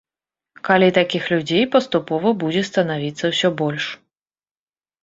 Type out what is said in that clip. Калі такіх людзей паступова будзе станавіцца ўсё больш.